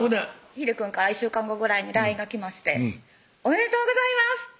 ひでくんから１週間後ぐらいにＬＩＮＥが来まして「おめでとうございます！」